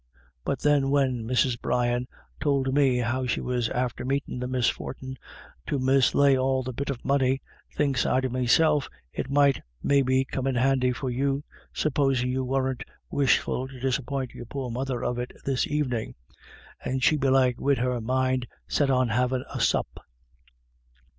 But then when Mrs. Brian tould me how she was after meetin' the misfortin to mislay all the bit o' money, thinks I to meself it might maybe come in handy for you, supposin' you weren't wishful to disappoint you poor mother of it this evenin', and she belike wid her mind set on havin' a sup.